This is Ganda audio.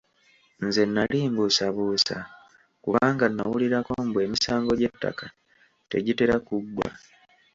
Nze nali mbuusabuusa, kubanga nnawulirako mbu emisango gy'ettaka tegitera kuggwa.